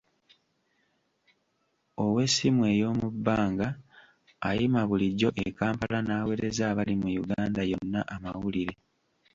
Ow'essimu ey'omu bbanga, ayima bulijjo e Kampala n'aweereza abali mu Uganda yonna amawulire.